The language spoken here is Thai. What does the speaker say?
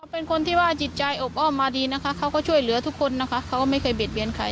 เป็นคนที่ว่าจิตใจอบอ้อมมาดีนะคะเขาก็ช่วยเหลือทุกคนนะคะเขาก็ไม่เคยเบียดเบียนใคร